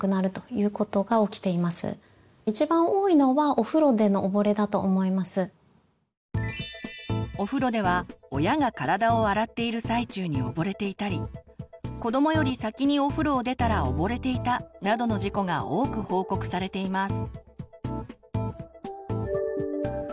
おうちの中ではお風呂では親が体を洗っている最中に溺れていたり子どもより先にお風呂を出たら溺れていたなどの事故が多く報告されています。